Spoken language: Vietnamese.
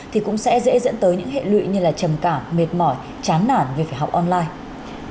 thì cũng sẽ dễ dẫn tới những hệ lụy như là trầm cảm mệt mỏi chán nản vì phải học online